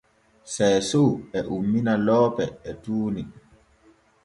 Seeso e ummina loope e tuuni.